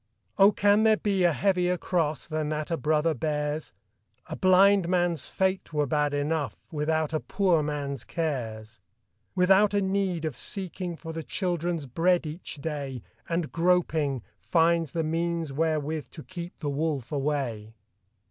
Oh, can there be a heavier cross Than that a brother bears? A blind man's fate were bad enough Without a poor man's cares ; \V ithout a need of seeking for The children's bread each day, And groping, finds the means wherewith To keep the wolf away.